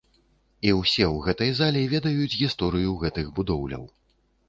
І ўсе ў гэтай залі ведаюць гісторыю гэтых будоўляў.